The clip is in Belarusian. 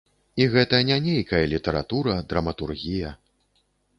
І гэта не нейкая літаратура, драматургія.